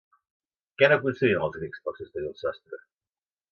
Què no construïen els grecs per a sostenir el sostre?